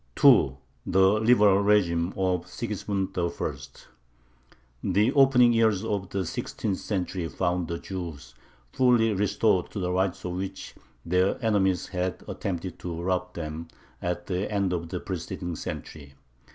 2. THE LIBERAL RÉGIME OF SIGISMUND I. The opening years of the sixteenth century found the Jews fully restored to the rights of which their enemies had attempted to rob them at the end of the preceding century.